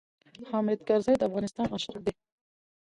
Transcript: حامد کرزی د افغانستان عاشق دی.